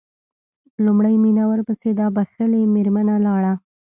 لومړی مينه ورپسې دا بښلې مېرمنه لاړه.